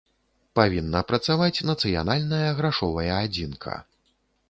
Павінна працаваць нацыянальная грашовая адзінка.